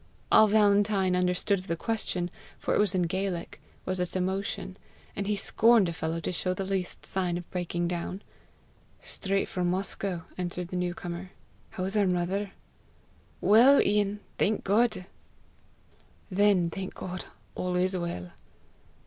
All Valentine understood of the question, for it was in Gaelic, was its emotion, and he scorned a fellow to show the least sign of breaking down. "Straight from Moscow," answered the new comer. "How is our mother?" "Well, Ian, thank God!" "Then, thank God, all is well!"